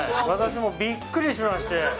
私もびっくりしまして。